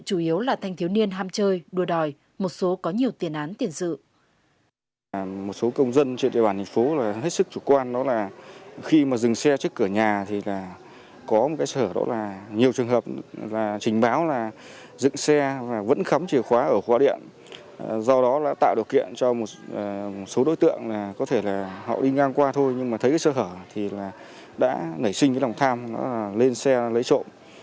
chủ yếu là thanh thiếu niên ham chơi đùa đòi một số có nhiều tiền án tiền sự